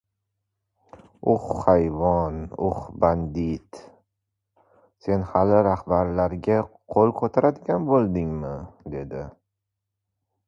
— Uh, hayvon, uh bandit! Sen hali rahbarlarga qo‘l ko‘taradigan bo‘ldingmi? — dedi.